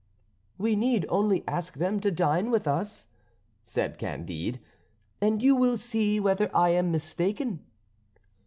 "We need only ask them to dine with us," said Candide, "and you will see whether I am mistaken."